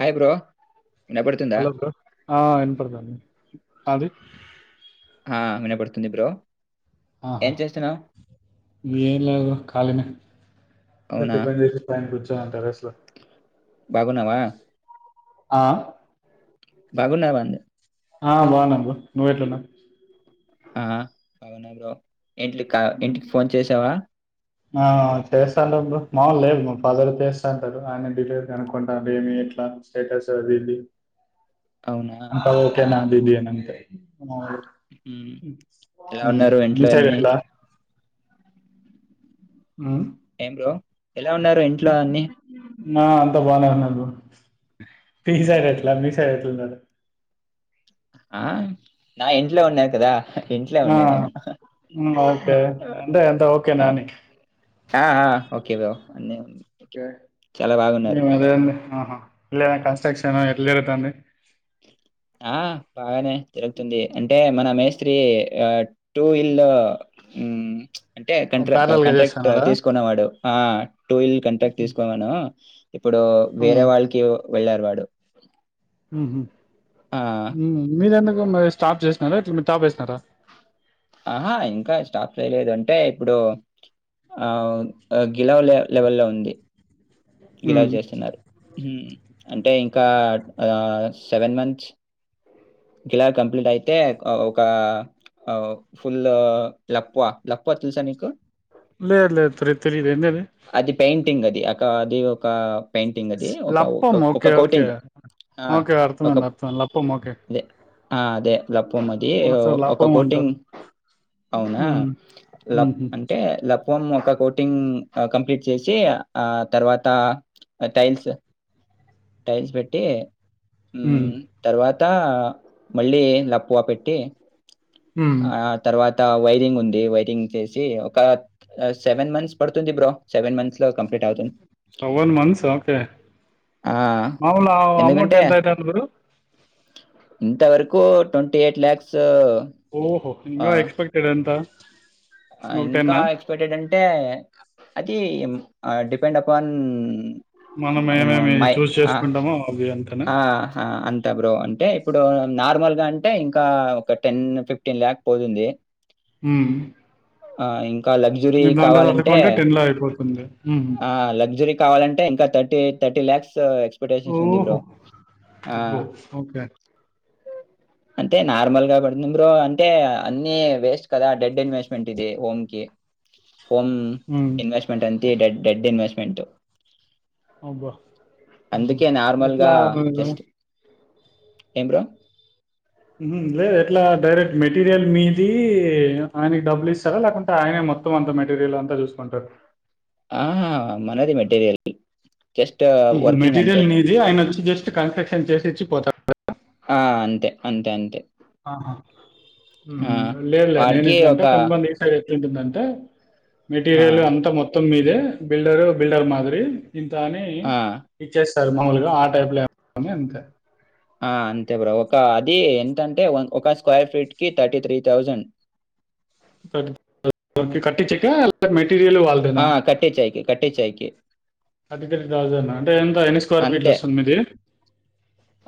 Hi bro వినపడుతుందా? Hello అంకు అది ఆ వినపడుతుంది బ్రో ఆహా ఏం చేస్తున్నావు? ఖాలినె ప్పుడే అవునా! టిఫిన్ చేసి పైన కొచ్ చే అంటారస్లు బాగున్నావా ఆ బాగన్నా వండి ఆ బాగున్నా బ్రో నువ్వెట్లున్నావ్ ఆ పవనా బ్రో ఇంట్లికా ఇంటికి ఫోన్ చేసావా ఆ చేస్తాంట బ్రో మాములు లేవు మా ఫాదర్ చేస్తాంటారు, ఆయన డెలివరీ అనుకుంటారు. ఏమి ఎట్లా స్టేటస్ అది ఇది అవునా! అంతా ఓకే నా ఇదీ అనంతే హ్మ్. ఎలా ఉన్నారు ఇంట్లో మీసైడ్ అన్ని? ఎట్లా ఏం బ్రో ఎలా ఉన్నారు ఇంట్లో అన్ని నా అంతా బాగున్నారన్నోళ్ళు తీ అవునా! సారిట్లా మీ సైడెట్లున్నారు ఆ నా ఇంట్లో ఉన్నారు కదా ఇంట్లో ఆ ఉన్నా నేను. ఓకే అంటే అంతా ఆ! ఓకేనా అని ఆ ఆ ఓకే బ్రో అన్నీ ఓకే అదే అండి ఆహా ఇల్లు కన్స్ట్రక్షను ఎట్లా జరుగుతోంది ఆ బాగానే జరుగుతుంది అంటే మన మేస్త్రి ఆ టూ వీల్లో ఉమ్ చ్ అంటే కంట్రాక్ ప్యారలల్గా కంట్రాక్ట్ చేస్తున్నాడా తీసుకున్న వాడు ఆ టూ వీల్ కంట్రాక్ట్ తీసుకోమను ఇప్పుడు వేరే ఉమ్ వాళ్ళకి వెళ్ళారువాడు ఉహు మీ ఎన్మిదివందల్ ఎం మ్మరి స్టాప్ చేసినారా ఎట్ల మరి టాప్ వేసినారా ఆహా ఇంకా స్టాప్స్ చేయలేదు అంటే ఇప్పుడు ఆ గిలావ లెవెల్ లో ఉంది గిలావ ఉమ్ చేస్తున్నారు ఉమ్ అంటే ఇం ఒక ఆ సెవెన్ మంత్స్ గిలా కంప్లీట్ అయితే ఒక ఆ ఫుల్ లప్పువ లప్పువ తెలుసా నీకు లేదు లేదు త్రి తెలీదు ఏందది అది పెయింట్ టింగ్ అది అక అది ఒక పెయింటింగ్ అది ఒక ఒక లప్పం ఒక ఓకే ఓకే కోటింగ్ ఆ ఓకే ఒక అర్థమైంది అర్థమైంది లప్పం ఓకే అదే ఆ అదే లప్పం అది సో ఒక లప్పం కోటింగ్ అంటారు అవునా ఉమ్ లిప్ ఉహు అంటే ఫం ఒక కోటింగ్ కంప్లీట్ చేసి ఆ తర్వాత టైల్స్ టైల్స్ పెట్టి ఉమ్ తర్వా త మళ్ళీ లప్పువ పెట్టి ఉమ్ ఆ తర్వాత్ త వైరింగ్ ఉంది వైరింగ్ చేసి ఒక సెవెన్ మంత్స్ పడుతు ఉంది bro seven months seven months okay ఆ! మాములు అమౌంట్ ఎందుకంటే ఎంతయితది బ్రో ఇంతవరకు ట్వంటీ ఎయిట్ ల్యాక్సు ఓహో ఇంగ ఎక్స్పెక్టెడ్ ఎంత ఇంకొక ఇంకా టెన్నా ఎక్స్పెక్టెడ్ అంటే అది ఆ డిపెండ్ అప్అన్ మనం ఏమేమి చూస్ చేసుకుంటామో అవి అంతేనా తే బ్రో అంటే ఇప్పుడు నార్మల్ గా అంటే ఇంకా ఒక టెన్ ఫిఫ్టీన్ ల్యాక్ పోతుంది ఉమ్ ఆ ఇన్ కా లగ్జురీ దాంట్లో కావాలంటే సర్దుకుంటే అయిపోతుంది. హ్మ్. ఆ లగ్జురీ కావాలంటే ఇంకా థర్ టే థర్టీ ల్యాక్స్ త్ ఎక్స్పటేషన్స్ ఉంది ఓహో! బ్రో అబ్బో! ఓకే. అంటే నార్మల్ గా పడుతుంది బ్రో అంటే అన్ని వేస్ట్ కదా డెడ్ ఇన్వెస్ట్మెంట్ ఇది హోమ్ కి హోమ్ హ్మ్. ఇన్వెస్ట్మెంట్ ఎం డేడడ్ డెడ్ ఇన్వెస్ట్మెంట్ అబ్బా ఎట్లా ఉహు ఆపాలి బ్రో ఎంబ్రో ఉహుమ్ లేదు ఎట్లా డైరెక్ట్ మెటీరియల్ మీది ఆనికి డబ్బులు ఇస్తారా లేకుంటే ఆయనే మొత్తం అంత మెటీరియల్ అంతా చూసుకుంటారా ఆహా మనది మెటీరియల్ జస్ట్ ఉహుమ్ వర్కింగ్ అంతే మెటీరియల్ నిది ఆయన వచ్చి జస్ట్ కన్స్ట్రక్షన్ చేసి ఇచ్చి పోతా ఆ అంతే అంతే అంతే ఆహా ఉం ఆ లేదులే నేను వాడికి ఇట్లా అంట ఒక కొంతమంద్ దిసా ఏంటుందంటే ఆ మెటీరియల్ అంత మొత్తం మీ ఇదే బిల్డరు బిల్డర్ మాదిరి ఇంత అని ఆ ఇచ్చేస్ టల్ మామూలుగ ఆ టైప్ లో ఏమో అని అంతే ఆ అంతే బ్రో ఒక అది ఎంతంటే వన్ ఒక స్క్వేర్ ఫీట్ కి థర్టీ త్రీ థౌజండ్ అ కట్టించేక లేక మెట్ టీరిల్ ఆ వాళ్ళదేనా కట్టించాయికి కట్టించాయికి అదిగ రాజనా అంటే ఎంత ఎన్ని స్క్వేర్ ఫీట్లు అంతే వస్తుంది మీది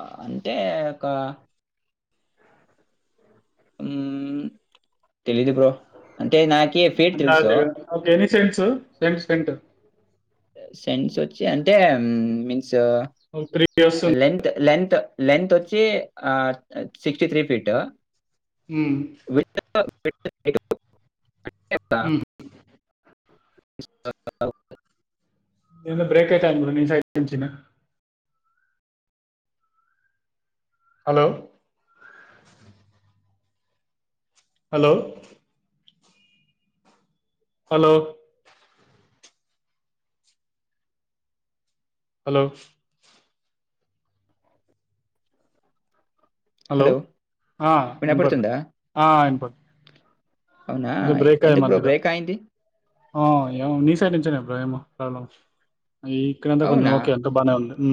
ఆ, అంటే ఒక ఊం తెలిదు బ్రో అంటే నాకి ఫీట్ తెలుసు అందాకే ఓకే ఎన్ని సెంట్సు పెండ్ సెంట్ సెంట్స్ ఒచ్చి అంటే ఉం సో ఒక త్రీ వస్తుంది లెంత్ లెంత్ లెంత్ ఒచ్చి ఆ సిక్స్టీ త్రీ ఫీటు మ్ [unintelligible] మ్మ్. [unintelligible] ఏదో బ్రేక్ అయితాంది నీ సైడ్ నుంచినా hello hello hello hello hello ఆ విన్పడుదా వినపడుతుందా ఆ విన్పడు అవునా ఇదో బ్రేక్ అయ్యె ఎందుకు బ్రో మధ్యలో బ్రేక్ అయింది ఆ యో మీసైడ్ నుంచేనేమో ప్రేమ కణం ఊ ఇక్కడంతా కొంచం అవునా ఓకే ఎంత బానే ఉంది ఉ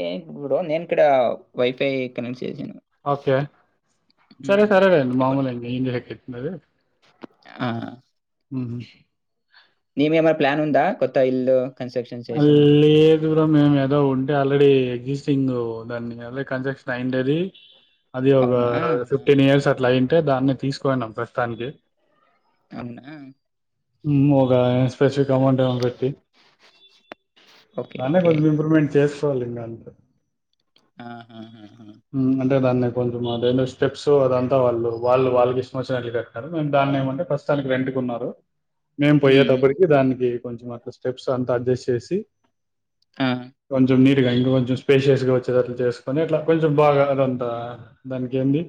ఏ ఇప్పుడు నేనిక్కడ వైఫై కనెక్ట్ చేసాను ఓకే సరే సరే లేండి మామూలు [unintelligible] బ్రదర్ ఆ ఊహూ నిమేమరి ప్లాన్ ఉందా కొత్త ఇళ్లు అల్లీ దూరం మేమేదో ఉంటే ఆల్రెడీ గీస్ సింగ్ దాన్ని అదే కన్ట్రక్క్షన్ అయిండేది అది ఒక అవునా ఫిఫ్టీన్ ఆహాహాహా. ఇయర్స్ అట్లా అయింటే దాన్ని తీసుకోవున్నాం ప్రస్తుతానికి అవునా మ్ ఒక స్పెసిఫిక్ అమౌంట్ ఏమో పెట్టి ఓకే దాన్నే ఓకే కొంచెం ఇంప్రూమ్మెంట్ చేసి తోలింగా అంతే ఆహాహాహా. మ్ అంటే దాన్ని కొంచెం అదేన్నో స్టెప్స్ అదంతా వాళ్ళు వాళ్ళు వాళ్ళుకి ఇష్టం వచ్చినట్లు కట్టారు మేం దాన్ని ఏమంటే ప్రస్తుతానికి రెంటుకున్నారు మేం ఉమ్. పోయేటప్పటికి దానికి కొంచెం అట్ల స్టెప్స్ తు అంతా అడ్జస్ట్ చేసి ఆ, కొంచం నీర్ ఇంక కొంచెం స్పేషియస్ గా వచ్చేది అట్లా చేసుకొని అట్లా కొంచెం బాగా అదంతా దానికి ఏంది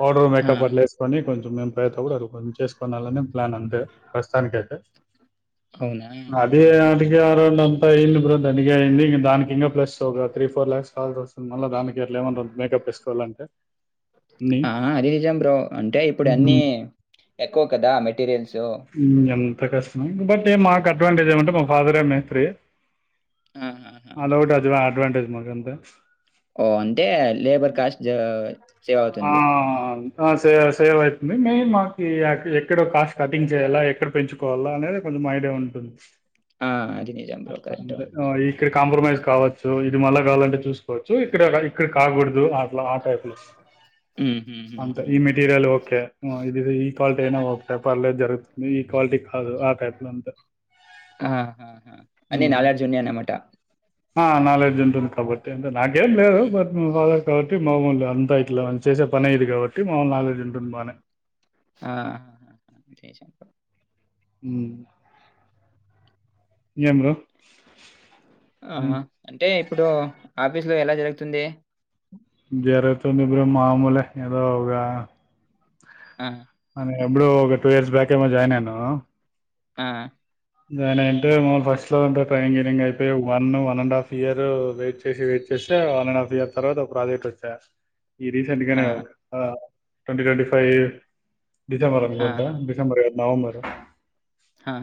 పౌడర్ ఆ. మేకప్ అట్ల వేసుకొని కొంచెం మేము పప్రయత్నం కూడా అ కొంచెం చేసుకోనాలని ప్లాన్ అంతే ప్రస్తుతానికైతే అవునా నావి ఆహాహాహా. [unintelligible] ఇన్ని బ తనిగా ఇన్ని దానికి ఇ plus three four lakhs call వస్తుంది మళ్ళ దానికి ఏమన్న రోంత మేకప్ ఇసుకోవాలంటే అన్ని ఆ! అది నిజం బ్రో. అంటే ఇప్పుడన్నీ ఎక్కువ కదా మెటీరియల్సు. ఎంత కష్టమం బట్ మాకు అడ్వాంటేజ్ ఏమంటే మాక్ ఫాదరే మేస్త్రి అదోటి ఆహాహాహాహా! అడ్ అడ్వాంటజ్ మాక్ అంత ఒ అంటే లేబర్ కాస్ట్ జ సేవ్ అవుతుంది సే సేవ్ అవుతుంది మెయిన్ మాకి ఎక్కడ కాస్ట్ కటింగ్ చేయాలా ఎక్కడ పెంచుకోవాలా అనేది కొంచెం ఐడియా ఉంటుంది ఆ! అది నిజం బ్రో. కరెక్టు. అ ఇక్కడ కాంప్రమైజ్ కావచ్చు ఇది మళ్ళ కళ్ళంటే చూసుకోవచ్చు సో ఇక్కడ ఇక్కడ కాకూడదు అట్ల ఆ టైప్ లో హ్మ్. అంతే ఈ హుహుహుహుహు. మెటీరియల్ ఒకే ఇది ఈ క్వాలిటీ అయినా ఒకే పర్లేదు జరుగుతుంది ఈ క్వాలిటీ కాదు ఆ టైప్ లో అంతే ఆహాహా! అన్ని మ్మ్ నాలెడ్జ్ ఉన్నాయన్నమాట. ఆ నాలెడ్జ్ ఉంటుంది కాబట్టి నాకేం లేదు హ్మ్. బట్ వాళ్ళ కాబట్టి మామూలే అంత అయితే ఇట్ల చేేసే పనే ఇది కాబట్టి మాక్ నాలెడ్జ్ ఉంటది బానే ఆ జయశంకర్ మ్మ్ ఎం బ్రో ఆ ఏం అంటే ఇప్పుడు ఆఫీస్ లో ఎలా జరుగుతుంది జరుగుతుంది బ్రో మామూలె ఏదో ఒగా ఆ! అదే బ్రో ఒక టూ ఇయర్స్ బ్యాక్ ఏ మరి జాయిన్ అయినావా ఆ దాన్ అంటే మమల్ని ఫస్ట్ లోంటే ట్రైనింగ్పెరియోడ్ అయిపోయి one one and half year wait చేసి వెయిట్ చేస్తే వన్ అండ్ హాఫ్ ఇయర్ తర్వాత ఒక ప్రాజెక్ట్ వచ్చా ఈ రీసెంట్ ఆ! గానే ఆ ట్వంటీ ట్వంటి ఫైవ్ డిసెబర్ ఆ! అనుకుంట డిసెబర్ ఎ నవంబరు హా ఆ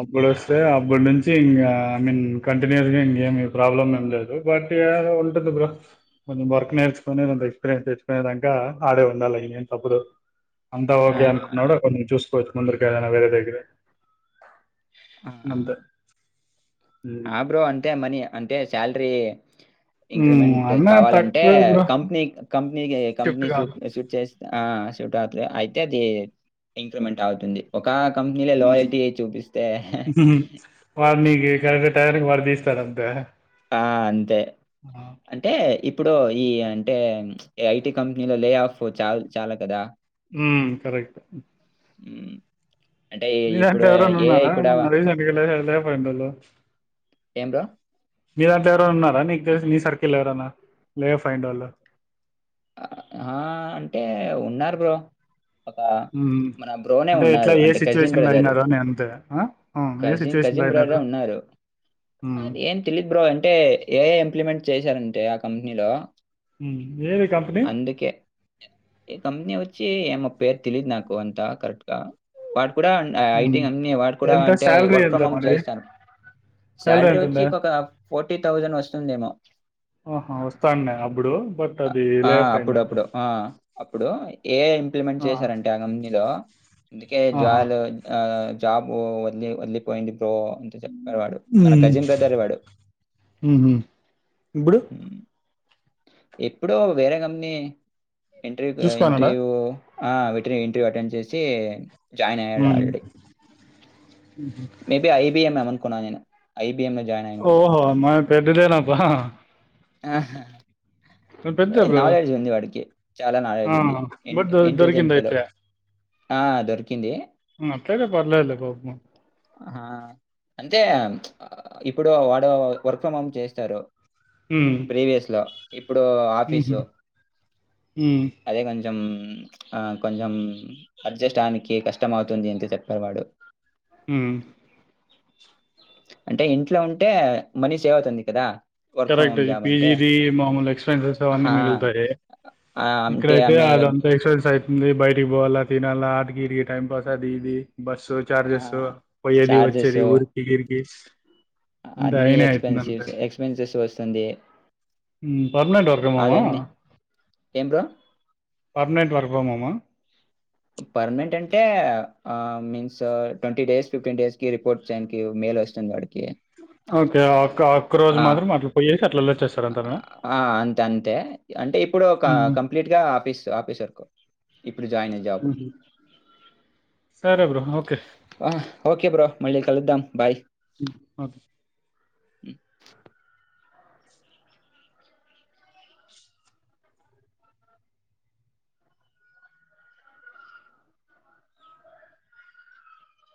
అప్పుడు వస్తే అప్పుడు నుంచి ఇంకా ఐ మీన్ కంటిన్యూస్ గా ఇంకేమి ప్రాబ్లం ఏమి లేదు బట్ ఉంటది కొంచెం వర్క్ నేర్చుకునేంత ఎక్స్పీరియన్స్ తెచ్చుకునేదాక ఆడే ఉండాలి అయ నను తప్పుడు అంతా ఓకే ఆహాహా! అనుకున్నాడు కొంచ చూస్త పో ముందుకి దేనా వేరే దగ్గేరె ఆ ఉమ్. ఆ బ్రో అంతే మనీ అంత అతే శాలరీ ఉమ్, ఇంక్రిమెంట్ అన్నా కావాలంటే తక్కువే బ్రో కంపెనీ కం- నకు అయే షిఫ్ట్ కంపెనీషూ కాదు షిఫ్ట్ చేస్తా ఆ సూట్ అయితే అది ఇంక్రిమెంట్ అవుతుంది ఆ కంపెనీలో లాయల్టీ చూపిస్తే గరెక్ట్ టయానికి పోతన నవిస్తర అంతే ఆ అంతే ఆ! అంటే ఇప్పు ఇప్పుడు ఈ అంటే ఐటి కంపెనీలో లే ఆఫ్ చ చాలా కదా ఉమ్ కరెక్ట్ ఉమ్ అంటే ఈ- మీదాంట్లో ఇప్పుడు ఎవరన్నా ఏఐ ఉన్నారా కూడా మొన్న రీసెంట్ గా లైవ్లీ లేవు ఎండలో ఎంరా మీరంతా ఎవరైనా ఉన్నారా నీకు తె నీ సర్కెల్ ఎవరనా లే ఫైండ్ వొళ్ళు ఆ అంటే ఉన్నారు బ్రో ఒక ఉమ్. మన బ్రోనే అంటే ఎట్లా ఉన్నారు ఏ అంటే కజిన్ సిచ్యువేషన్ లో బ్రదర్ అయినారు అని అంతే ఆ? ఆ, ఏ కజిన్ సిచ్యువేషన్ లో కజిన్ అయినారు బ్రదర్ ఉన్నారు ఉమ్. అది ఏం తెలిదు బ్రో అంటే ఏఐ ఇంప్లిమెంట్ చేశారంటే కంపెనీలో వేర అందుకే ఏ కంపెనీ వచ్చి ఏమ పేరు తెలిదు నాకు అంత కరెక్ట్ గా అయి కూడా హ్మ్. ఐటి అ వా కూడా ఎంత అంటే శాలరీ వర్క్ ఎంత ఫ్రమ్ హోమ్ మరి? చేస్తాను శాలరీ వచ్చి ఫార్టీ తౌసండ్ వస్తుంది ఏమో ఆహా! వస్తాండే అప్పుడు బట్ అది ఆ లే ఆఫ్ అయిందంట. అప్పుడుప్పుడు ఆ అప్పుడు ఏఐ ఇంప్లిమెంట్ చేశారంటే ఆ కంపెనీలో ఇందుకే ఆహా! జల్ ఆ జాబు వదిలి వదిలిపోయింది తో అంత చెప్పాడ్ వాడు మన హ్మ్. కజిన్ బ్రదర్ వాడు హుహు. ఇప్పుడు ఎప్పుడో వేరే కమ్నీ ఇంటర్వూకు చూసుకోన్నాడా? ఇంటర్వ్యూ ఆ వీటిని ఇంటర్వ్యూ అటెండ్ చేసి జాయిన్ అయ్యాడు హ్మ్. ఆల్రెడీ మేబీ ఐబీఎం [unintelligible] కున్నా నేను ఐ ఓహో మాది పెద్దదే నప్పా ఆహా బ్రో. నాలెడ్జ్ ఉంది వాడికి చాలా ఆ! నాలెడ్జ్ ఉంది ఇంట్ బట్ దొ ఇంటెలిజెంట్ ఫెలో దొరికిందయితే. ఆ దొరికింది హ్మ్ అట్లయితే పర్లేదు లే పాప్ము ఆహా అంతే ఇప్పుడు వాడు వర్క్ ఫ్రం చేస్తారు. హ్మ్. ప్రీవియస్ లో ఇప్పుడు హుహు. ఆఫీసు హ్మ్. అదే కొంచ్ కొంచెం ఆ కొంచెం అడ్జస్ట్ అవ్నికి కష్టం అవుతుంది అంటే సేపాడు వాడు హ్మ్ అంటే ఇంట్లో ఉంటే మనీ సేవ్ అవుతుంది కదా. వర్క్ ఫ్రమ్ కరెక్టే హోమ్ ఈ జాబ్ అంటే. పీజీది మామూలు ఎక్స్‌పెన్సెస్ అవన్నీ హా మిగులుతాయి. ఆ అంటే ఇక్కడయితే ఆమె అదంతా ఎక్స్‌పెన్సెస్ అయి ముందే బయటికి పోవాలా తినాలా ఆటికి ఈటికీ టైంపాస్ అది ఇది బస్సు ఆ చార్జెస్ పోయ్యేది చార్జెస్ వచ్చేది ఊరికి గిరికి ఇందా అన్ని అయినే అయితుంది అంతా ఎక్స్పెన్సివ్స్ ఎక్స్పెన్సెస్ వస్తుంది మ్మ్ పర్మనెంట్ వర్క్ ఫ్రం హోంమా అదన్నీ ఏం bro permanent work from home ఆ పర్మనెంట్ అంటే ఆ means twenty days fifteen days కి రిపోర్ట్ చేయనికి మేల్ వస్తుంది వాడికి ఓకే అఫ్ ఆ అంతేనా ఆ అంతే అంతే అంటే ఇప్పుడు ఒక మ్మ్. కంప్లీట్ గా ఆఫీస్ ఆఫీసర్ సరే బ్రో ఓకే ఆహ్ ఓకే బ్రో మళ్ళి క కలుద్దాం బాయ్ హు ఓకే మ్మ్